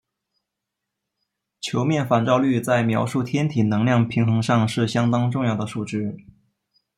球面反照率在描述天体能量平衡上是相当重要的数值。